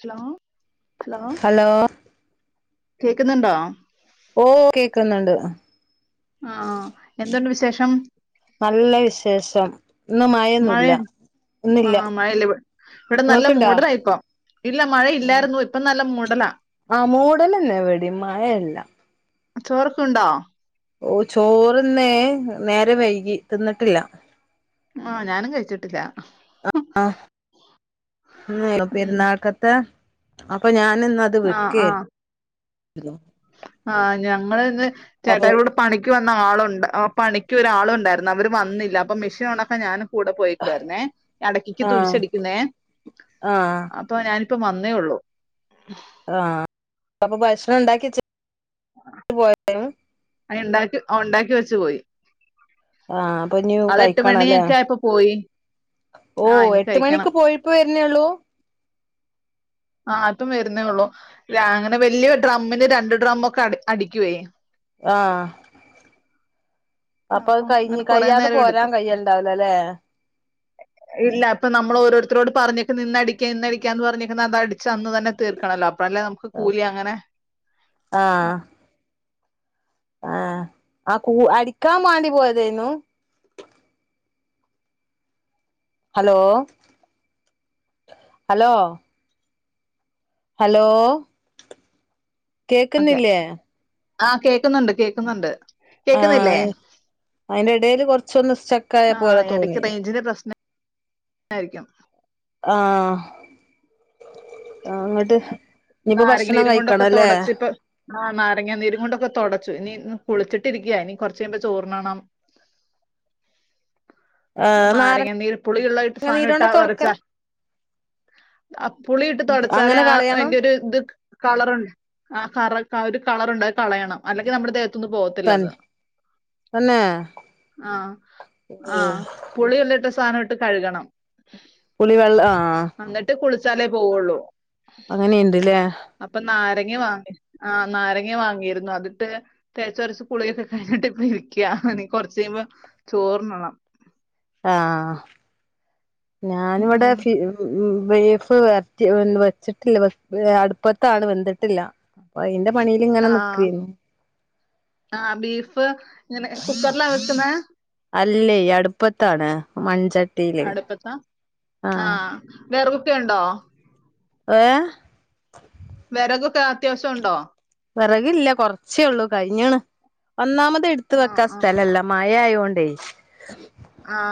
Hello hello. Hello കേക്ക്ന്ന്ണ്ടോ. ഓഹ് കേക്ക്ന്ന്ണ്ട്. ആഹ് ആഹ് എന്തുണ്ട് വിശേഷം. നല്ല വിശേഷം ഇന്ന് മയേന്നുല്ല. മഴയ ആ മയല്യ വ ഇവടെ നല്ല നിങ്ങൾക്കുണ്ടാ മൂടലായിപ്പം. ഇല്ല മഴ ഇല്ലാരുന്നു ഇപ്പ നല്ല മൂടല. ആ മൂടലന്നെ ഇവിടേം മഴയില്ല ചോറക്കുണ്ടോ. ഓഹ് ചോറ്ന്നേ നേരം വൈകി തിന്ന്ട്ടില്ല. ആഹ് ഞാനും കഴിച്ചിട്ടില്ല. ന്നെ ഉം. പെരുന്നാക്കത്തെ അപ്പൊ ഞാനിന്നത് ആ വെക്കേര്ന്നു ആഹ് ഞങ്ങളിന്ന് അപ്പൊ ചേട്ടായോട്- പണിക്ക് വന്ന ആളുണ്ട് ഓഹ് പണിക്കൊരാളുണ്ടാരുന്നു അവര് വന്നില്ല അപ്പൊ മെഷ്യൻഒണക്കാ ഞാനും- കൂടെപോയേക്കാരുന്നേ ഇടക്കിക്ക് ആ തുരിഷടിക്കുന്നേ ആ അപ പ്പൊ ഞാനിപ്പം വന്നേള്ളൂ. ആഹ് അത് അപ്പൊ ഭക്ഷണംണ്ടാക്കിച്ച് പോയെ. അയണ്ടാക്കി ഒണ്ടാക്കി വെച്ച് പോയി. ആഹ് അപ്പോ ന്നി അത് എട്ട് കഴിക്കാണല്ലേ മണിയൊക്കെ ആയപ്പോ പോയി ആ ഓഹ് ഇനി എട്ട് കഴിക്കണം മണിക്ക് പോയി. ഇപ്പവരുന്നേള്ളൂ. ആഹ് ഇപ്പം വര്ന്നേള്ളൂ രാ അ ങ്ങനെ വലിയ ഡ്രമ്മിന് രണ്ട് ഡ്രം ഒക്കെ അട അടിക്കുവേ. ആഹ് അപ്പൊ അത് കഴിഞ്ഞ് കയ്യാതെ പോരാൻ കയ്യണ്ടാവൂലല്ലേ. ഏഹ് ഇല്ല അപ്പം നമ്മള് ഓരോരുത്തോട് പറഞ്ഞേക്ക്ന്ന ഇന്നടിക്കാ ഇന്നടിക്കാ എന്ന് പറഞ്ഞേക്കുന്ന അത് അടിച്ചാഅന്ന് തന്നെ- തീർക്കണോല്ലോ അപ്പല്ലേ നമ്ക്ക് കൂലി അങ്ങനെ- ആഹ് ആഹ് ആകൂ അടിക്കാൻ മാണ്ടി പോയതയ്നൂ. Hello hello. ഹലോ. ഒക്കെ കേക്ക്ന്നില്ലേ. ആഹ് കേക്ക്ന്നൊണ്ട് കേക്ക്ന്നൊ ണ്ട്. കേക്ക്ന്നില്ലേ ആഹ് അയിന്റെ എടേല് കൊറച്ചൊന്ന് സ്റ്റക്കായ പോലെ ആഹ് എടക്ക് തോന്നി റേഞ്ചിന്റെ പ്രശ്ന നാരിക്കും. ആഹ ആ ഇങ്ങട്ട്. നാരങ്ങനീരുകൊണ്ടോക്കെ തുടച്ച്ട്ട് ആഹ് നാരങ്ങ നീരും കൊണ്ടൊക്കെ തൊടച്ചു ഇനി കുളിച്ചിട്ടിരിക്ക ഇനി കൊർചയ്യുമ്പോ ചോർണ്ണണം. [inaudible] അഹ് ആഹ് നാരങ്ങ നാരങ്ങനീര് പുളിയുള്ള ഇട്ട് സാനം നീരോണ്ട ട്ടാ തൊടക്ക ഒരച്ചാ. അ പുളിയിട്ട് തൊടച്ചാലേ അങ്ങനെ ആ വൻ. കളയണം ട് ദ് ക് കളർ അ ക റ ഒര് കളർണ്ട് അഹ്കളയണം അല്ലങ്കി നമ്മുടെദേഹത്ത്. ത്തുന്ന് പോവത്തില്ലന്ന് തന്നെ തന്നെ അത് അ അ പുളിയുള്ളട്ട സാനം ട്ട് കഴുകണം. പുളിവെൾ ആ. ന്നട്ട് കുളിച്ചാലേ പോവുള്ളൂ. അങ്ങനെയ്ണ്ട്ലെ. അപ്പം നാരങ്ങവാങ്ങി ആ നാരങ്ങ വാങ്ങിയിരുന്നു അതിട്ട്. തേച്ചോരച്ച് കുളിയൊക്കെ കഴിഞ്ഞിട്ട് പ്പരിക്യാ ഇനി കൊറച്ചയുമ്പോ ചോറുണ്ണണം. ആഹ ഞാൻവടെ ഉം ഫി വ് വ് ബീഫ് വര് റ്റി വെൻ വെച്ചിട്ടില്ല വെക് വെ അട്പ്പത്താണ് വന്തിട്ടില്ല. പ്പ അയിന്റെ പണില്ങ്ങനെ നിക്കേനി. ആഹ് ബീഫ് ഇങ്ങനെ കുക്കർലാ വെക്ക്ന്നേ? അല്ലേ അട്പ്പത്താണ് മൺച അടുപ്പത്താ ആഹ് വേറ കുപ്പിയണ്ടോ? ഏഹ് വെറകൊക്കെ അത്യാവശ്യം ഉണ്ടോ? വെറകില്ല കൊറച്ചേഒള്ളൂ കഴിഞ്ഞ്ണ്. ഒന്നാമത് ഇട്ത്ത് ആ വെക്കാ ആ സ്ഥലല്ല. മഴ മഴ ആയോണ്ടേ ആ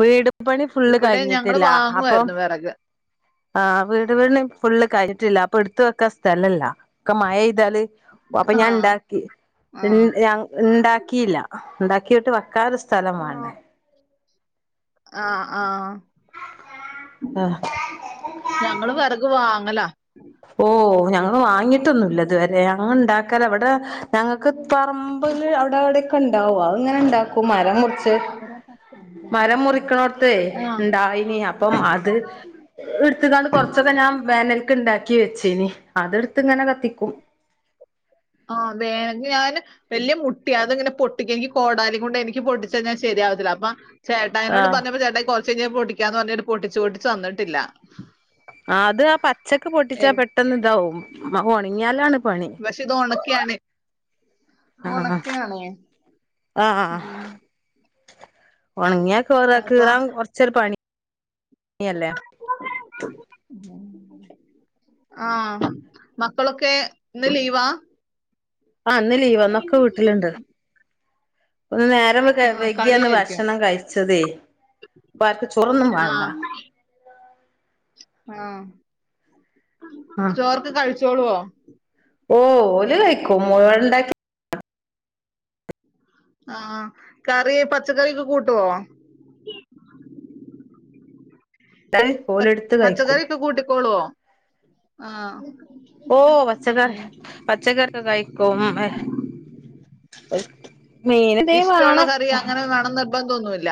വീട്പണി ഫുള്ള് ഇവിടെ ഞങ്ങള് കഴിഞ്ഞിട്ടില്ല അപ്പം വാങ്ങുവായിരുന്നു വെറക് ആഹ് വീട് പണി ഫുള്ള് കഴിഞ്ഞിട്ടില്ല അപ്പൊ ഇട്ത്ത് വെക്കാസ്ഥലല്ല ഒക്ക മഴായി പെയ്താല് അപ്പൊ ആ ഞാൻ ഇണ്ടാക്കി ആ ഞാ ഇണ്ടാക്കീല്ല. ഇണ്ടാക്കീട്ട് വക്കാനൊരുസ്ഥലം വാണ്ടേ. ആഹ് ആഹ് ആഹ് ഞങ്ങള് വെറക് വാങ്ങല ഓ ഞങ്ങള് വാങ്ങിട്ടൊന്നുല്ല ഇതുവരെ ഞങ്ങൾ ഇണ്ടാക്കലാ ഇവടെ ഞങ്ങൾക്ക് പറമ്പില് അവിടെ എവിടെക്കെ ഇണ്ടാവും. അത് ഇങ്ങനെ ഇണ്ടാക്കും. മരം മുറിച്ച് ഇവിടെ മരം പഞ്ചാരൊക്കെ മുറിക്ക്ണോട്ത്തെ ആ ഇണ്ടായിനി. അപ്പം അത് ഇട്ത്ത്കാണ്ട് കൊറച്ചൊക്കെ ഞാൻ വേനൽക്ക് ഇണ്ടാക്കി വെച്ചീനി അത് ഇട്ത്ത് ഇങ്ങനെ കത്തിക്കും. ആഹ് വേനൽക് ഞാന് വെല്ല്യ മുട്ടിയാ അത് ഇങ്ങനെ പൊട്ടിക്കെങ്കി കോടാലി കൊണ്ട് എനിക്ക് പൊട്ടിച്ചയിഞ്ഞാ ശരിയാവത്തില്ല. അപ്പം ചേട്ടായിനോട് ആഹ് പറഞ്ഞപൊ ചേട്ടായി കൊറച്ച് കഴിഞ്ഞാ പൊടിക്കാന്ന് പറഞ്ഞിട്ട് പൊട്ടിച്ചു പൊട്ടിച്ചു തന്നിട്ടില്ല. ആഹ് അത് ആ പച്ചക്ക് പൊട്ടിച്ചാ എനി- പെട്ടന്ന് ഇതാവും ഒണങ്ങിയാലാണ് പണി. പക്ഷേ ഇത് ഒണക്കിആണ്. ഒണക്കി ആണേ ആ ആ ഉം ഒണങ്ങിയാ കീറ അപ്പൊ കീറാൻ കൊറച്ചൊരു പണിയല്ലേ? [unintelligible] ആഹ് മക്കളൊക്കേ ഇന്ന് ലീവാ? ആഹ് ഇന്ന് ലീവാ ഇന്നൊക്കെ വീട്ടില്ണ്ട് ഒന്ന് നേരം വെ ക്കെ ആ വൈകിയാണ് കളിയായിരിക്കും ഭക്ഷണം കഴിച്ചതേ അപ്പൊ ആർക്കും ചോറൊന്നും വാണ്ട. ആ ആഹ് ആ ചോറൊക്കെ കഴിച്ചോളുവോ ഓ ഓല് കഴിക്കും മുഴുവുണ്ടാക്കി ആഹ് കറി പച്ചക്കറിഒക്കെ കൂട്ടുവോ പച് ഓലെടുത്ത് കഴിക്കും പച്ചക്കറി ഒക്കെ കൂട്ടിക്കോളുവോ ആഹ് ഓഹ് പച്ചക്കറി ഉം പച്ചക്കറി ഒക്കെ കഴിക്കും മീനെന്തേ വാണം നിർബന്ധൊന്നൂല്ല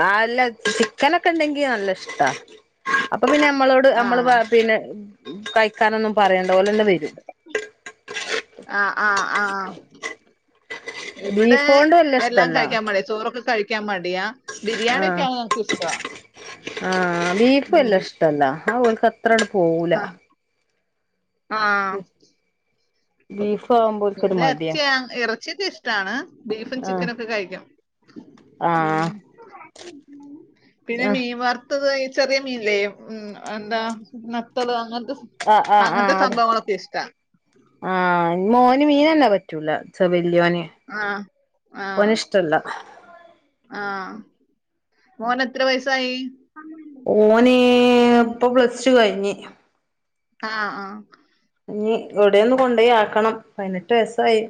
അല്ല ചിക്കനൊക്കെ ഇണ്ടെങ്കി നല്ല ഇഷ്ടാ അപ്പൊ പിന്നെ നമ്മളോട് നമ്മള് ആഹ് പിന്നെ കഴിക്കാനൊന്നും പറയണ്ട ഓലന്നെ വെരും ആഹ് ആഹ് ആഹ് ഇവിടെ ബീഫോണ്ട് വല്യ എല്ലാം ഇഷ്ടല്ല കഴിക്കാൻ മടിയാ ചോറൊക്കെ കഴി ക്കാൻ മടിയാ ബിരിയാണിയൊക്കെ ആഹ് ആണെ ഞങ്ങക്ക് ഇഷ്ടാ ആഹ് ബീഫ് വെല്ല്യ ഇഷ്ടല്ല അത് ഓൽക്ക് അത്രാണ്ട് പോവൂല ആഹ് ആഹ് ബീഫ് ആവുമ്പോ ഓൽക്കൊരു ഇവിടെ മടിയാ ഇറച്ചിയാ ഇറച്ചിയൊക്കെ ഇഷ്ടാണ് ബീഫും ആഹ് ചിക്കനൊക്കെ കഴിക്കും ഉം ആഹ് പിന്നെ ആഹ് മീൻവർ ത്തത് ചെറിയ മീനില്ലേ ഉം എന്താ നത്തള് അങ്ങൻത്തെ ആഹ് ആഹ് അങ്ങൻത്തെ ആഹ് അത് സംഭവങ്ങളൊക്കെ ഇഷ്ടാ ആഹ് മോന് മീനന്നെ പറ്റൂല വല്ല്യോന് ആഹ് ഓന് ആഹ് ഇഷ് ഇഷ്ട്ടല്ല ആഹ് മോന് എത്ര വയസ്സായി ഓന് ഇപ്പം പ്ലസ് ടു കഴിഞ്ഞ് ആഹ് ആഹ് ഇനി എവിടെ ഒന്ന് കൊണ്ടായി ആക്കണം പതിനെട്ട് വയസായി.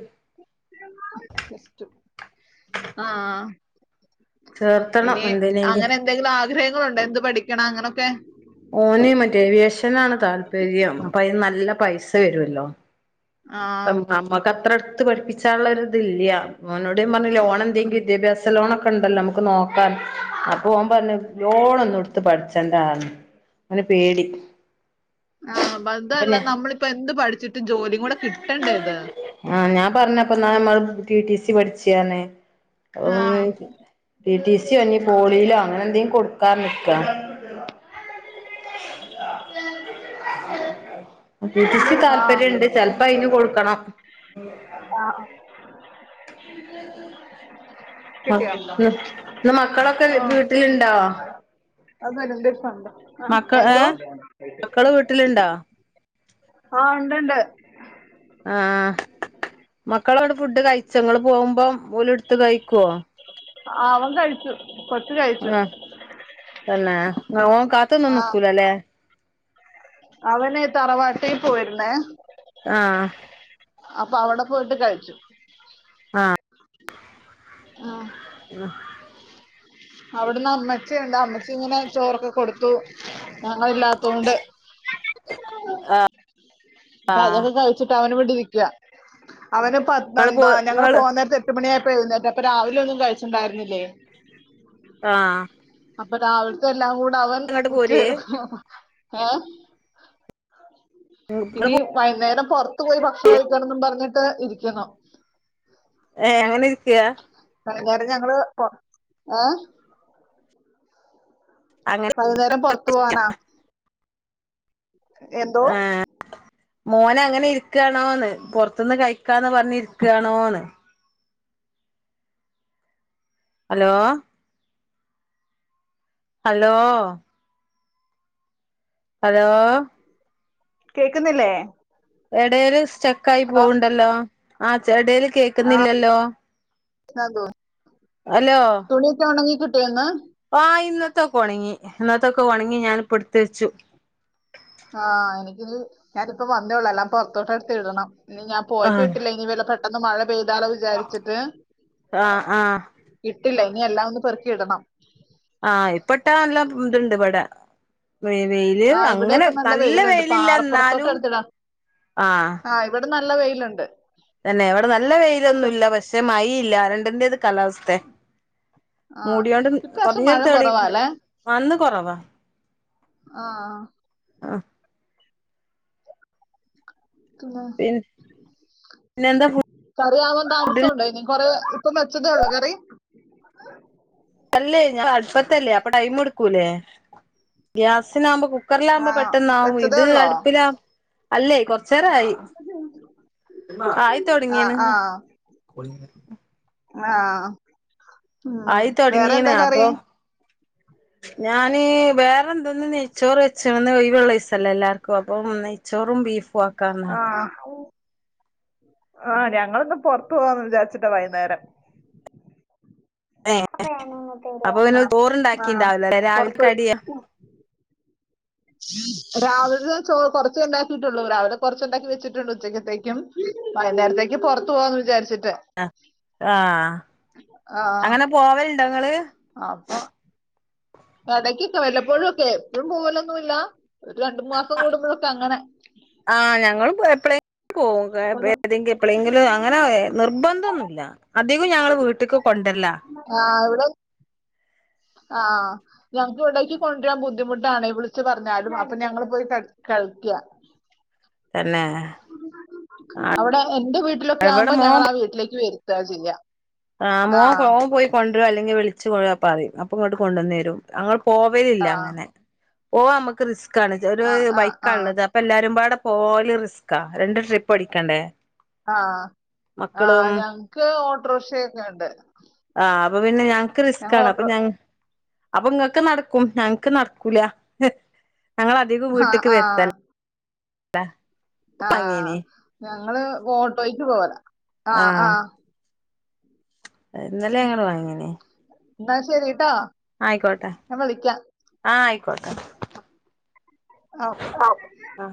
ആഹ് ചേർത്തണം ഇനി അങ്ങനെ എന്തിനെങ്കിലും എന്തെങ്കിലും ആഗ്രഹങ്ങളുണ്ടോ എന്ത് പഠിക്കണം അങ്ങനൊക്കെ? ഓന് മറ്റേ ഏവിയേഷനാണ് താല്പര്യം അപ്പൊ അയ്ന് നല്ല പൈസ വരുവല്ലോ? ആഹ് നമ്മക്ക് അത്ര അടുത്ത് പഠിപ്പിച്ചാനുള്ളൊരിത് ഇല്ല ഓനോട് ഞാൻ പറഞ്ഞ് ലോണ് ആഹ് എന്തെങ്കി വിദ്യാഭ്യാ ലോണൊക്കെ ഉണ്ടല്ലോ നമുക്ക് നോക്കാം അപ്പൊ ഓൻ പറഞ്ഞ് ലോണൊന്നും എടുത്ത് പഠിച്ചണ്ടാന്ന് അവന് പേടി. ആഹ് അപ്പൊ അതല്ല ഞാ നമ്മളിപ്പെന്ത് പഠിച്ചിട്ട് ജോലിയും കൂടെ കിട്ടണ്ടേ ഇത്. ആഹ് ഞാൻ പറഞ്ഞപ്പന്നാ അമ്മള് ടി ടി സി പഠിച്ചയാന്ന്. ആഹ് ടി ടി സിയോ ഇനി ആഹ് പോളിയിലോ അങ്ങനെന്തെ കൊടു ക്കാൻ നിക്കാ ടി ടി സി ആഹ് താല്പര്യംണ്ട് ചെലപ്പോ അയിന് കൊടുക്കണം. ആഹ് [unintelligible] കിട്ടിയോ ഇന്ന് ആഹ് മക്കളൊക്കെവീട്ടിലുണ്ടോ? മക്ക [unintelligible] ഏ എന്തോ? മക്കള് വീട്ടിലുണ്ടോ ആഹ് ഒണ്ട് ഒണ്ട് ആഹ് മക്കളവിടെ ഫുഡ് കഴിച്ചാ ഇങ്ങൾ പോകുമ്പം ഓലെടുത്ത് കഴിക്കോ ആഹ് അവൻ കഴിച്ചു കൊച്ചു കഴിച്ചു ആഹ് തന്നെ ഓന് കാത്തൊന്നും ആ നിക്കൂലല്ലേ അവന് തറവാട്ടി പോയിരുന്നേ. ആഹ് അപ്പൊ അവിടെ പോയിട്ട് കഴിച്ചു. ആഹ് ആഹ് ഉം അവിടുന്ന് അമ്മച്ചിയുണ്ട് അമ്മച്ചി ഇങ്ങനെ ചോറൊക്കെ കൊടുത്തു ഞങ്ങ ഇല്ലാത്തൊണ്ട്. അപ്പൊ ആഹ് അതൊക്കെ കഴിച്ചിട്ട് അവനവടെ ഇരിക്ക അവന് പ ഇങ്ങള് പോ എന്താ ഞങ്ങള് ഇങ്ങള് പോന്നേര എട്ടു മണിയായപ്പ എഴുന്നറ്റപ്പൊ രാവിലെ ഒന്നും കഴിച്ച്ണ്ടാരുന്നില്ലേ ആഹ് അപ്പ രാവിലത്തെല്ലാം കൂടെ അവൻ ഇങ്ങട്ട് പോരേ ഏഹ് ഇങ്ങള് ഇനി പോ വൈകുന്നേരം പുറത്തു പോയി ഭക്ഷണം കഴിക്കണന്നും പറഞ്ഞിട്ട് ഇരിക്കുന്നു. ഏഹ് അങ്ങനെ ഇരിക്ക? വൈന്നേരം ഞങ്ങള് പൊ ഏഹ് അങ്ങനെ വൈകുന്നേരം പുറത്തു പോകാനാ. എന്തോ ആഹ് മോനങ്ങനെ ഇരിക്കണോന്ന് പുറത്തുന്ന് കഴിക്കാന്ന് പറഞ്ഞ് ഇരിക്കണോന്ന്? ഹലോ ഹലോ ഹലോ കേക്കുന്നില്ലേ? ഇടേല് സ്റ്റക്കായി ഹലോ പോവണ്ടല്ലോ ആ ഇടേല് കേ ക്കുന്നില്ലല്ലോ ഹലോ തുണീക്കെ ഉണങ്ങി കിട്ടിയോ ഇന്ന് ആഹ് ഇന്നത്തെൊക്ക ഉണങ്ങി ഇന്നത്തൊക്കെ ഉണങ്ങി ഞാൻപ്പോ എടുത്തെച്ചു. ആഹ് എനിക്കിനി ഞാനിപ്പ വന്നേള്ളൂ എല്ലാം പൊറത്തോട്ടടുത്ത് ഇടണം ഇനി ഞാ പോയിപ്പോ ആഹ് ഇട്ടില്ല ഇനി വേല ട്ടന്ന് മഴ പെയ്താലോ വിചാരിച്ചിട്ട് ആഹ് ആഹ് ഇട്ടില്ല ഇനി എല്ലാം ഒന്ന് പെറക്കി ഇടണം. ആഹ് ഇപ്പട്ടാ നല്ല ഇതുണ്ട് ഇവട വെ വെയ്ല് ആ ഇവിടെ അങ്ങനെ ഇപ്പൊ നല്ല വെയിലുണ്ട് വെയ്ലില്ല പാറപ്പുറത്തോട്ട് എന്നാലും ആഹ് ഇവട നല്ല വെയ്ലോണ്ട് തന്നെ ഇവട നല്ല വെയ്ലൊന്നുല്ല പക്ഷെ മയയില്ല രണ്ടിന്റത് കാലാവസ്ഥെ ആ മൂടിയോണ്ടും ഇപ്രാവശ്യം കൊറഞ്ഞോര് മഴ തെളിണ്ട് കുറവാല്ലേ വന്ന് കൊറവാ ആഹ് ആഹ് പിന്ന പിൻ പിന്നെന്താ കറി ആവാം താമസൊണ്ടോ ഇനി കൊറെ ഇപ്പം വെച്ചതെ ഒള്ളൊ കറി അല്ലേ ഞാ അട്പ്പത്തല്ലേ അപ്പ ടൈംമെട്ക്കൂലേ ഗ്യാസ്നാമ്പ കു ആ ക്കർലാമ്പ പെട്ടന്നാവു വെച്ചതേ ഇത് ഉള്ളോ അടുപ്പില അല്ലേ കൊറച്ചെരായ് ആ ആയ്ത്തൊടങ്ങീണ് ആഹ് ഉം ആയി തൊടങ്ങീണ് വേറെന്താ കറി അപ്പൊ ഞാന് വേറെന്ത്ന്ന് നെയ്ച്ചോറ് വെച്ചണം ഇന്ന് ഒയ്വൊള്ള ദീസം എല്ലാർക്കും അപ്പൊ നെയ് ചോറും ബീഫുവാ ആഹ് ആഹ് ഞങ്ങള്ന്ന് പൊറത്ത് പോവാന്ന് വിചാരിച്ചിട്ട വൈന്നേരം ഏ അപ് അപ്പൊ പിന്നെ ആഹ് ചോറുണ്ടാക്കിണ്ടാവൂലല്ലേ രാവിലെ പൊറത്തോയ് കടിയാ രാവ്ൽത്തെ ചോർ കൊറച്ചെ ഇണ്ടാക്കിട്ടൊള്ളൂ രാവിലെ കൊറച്ചൊണ്ടാക്കി വെച്ചിട്ടൊണ്ട് ഉച്ചക്കത്തേക്കും വൈന്നേരത്തേക്ക് പൊറത്ത് പോവാന്ന് വിചാരിച്ച്ട്ട് അ ആഹ് ആ അങ്ങന പോവല്ണ്ടോ ഇങ്ങള് അപ്പൊ എടക്ക് ക്കെ വല്ലപ്പോഴു ഒക്കെ എപ്പഴും പോവലൊന്നുല്ല ഒര് രണ്ട് മാസം കൂടുമ്പോഴക്ക അങ്ങനെ ആഹ് ഞങ്ങളും പോ എപ്പളേ പോവും ഒരു [unintelligible] ഏതെങ്കി എപ്പളെങ്കിലും അങ്ങന എ നിർബന്ധന്നുല്ല അധിക്കും ഞങ്ങള് വീട്ട്ക്ക് കൊണ്ടര്ല്ല ആഹ് ഇവിടെ ആഹ് ഞങ്ങ്ക്ക് ഇവിടെക്ക് കൊണ്ടരാം ബു ദ്ധിമുട്ടാണെ വിളിച്ച് പറഞ്ഞാലും അപ്പ ഞങ്ങള് പോയി കട് കയിക്ക തന്നെ അവിടെ എന്റ വീട്ട്ലൊക്കെ ഇവിടെ ആവുമ്പം മോൻ ഞങ്ങളാ വീട്ട്ലേക്ക് വരുത്താ ചെയ്യാ ആഹ് ആ മോൻ കോ ഓൻ പോയി കൊണ്ടരും അല്ലെങ്കി വിളിച്ചു പോയെ പറയ് അപ്പ ഇങ്ങട്ട് കൊണ്ടന്നരും അങ്ങള് പോവലില്ല ആ അങ്ങനെ പോവാ നമ്മക്ക് റിസ്കാണ് ഒര് ആ ആ ആ ബൈക്കാള്ളത് അ പ്പ എല്ലാരും പാടെ പോവല് റിസ്ക്കാ രണ്ട് ട്രിപ്പ് അടിക്കണ്ടേ ആഹ് മക്കളും ആഹ് ഞങ്ങ്ക്ക് ഓട്ടോറ്ക്ഷ ക്കെണ്ട് ആഹ് അപ്പ പിന്നെ ഞങ്ങ്ക്ക് റിസ്ക്കാണ് അപ്പ ഓട്ടോ ഞങ്ങ് അപ്പം ഇങ്ങക്ക് നടക്കും ഞങ്ങ്ക്ക് നടക്കൂല ഞങ്ങള അധികോം ആ വീട്ട്ക്ക് ആ വരുത്ത ലാ ആഹ് ഞങ്ങള് ഓട്ടോയ്ക്ക് പോവല ആ ആഹ് ആഹ് ഏഹ് ഇന്നലെ ഞങ്ങള് വാങ്ങിനി ഇന്നാ ശെരിട്ടോ ആയ്ക്കോട്ടെ ആഹ് ആയ്ക്കോട്ടെ ആഹ് ഓക്കെ ആ